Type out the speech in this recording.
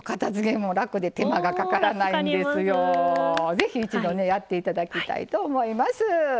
ぜひ一度ねやって頂きたいと思います。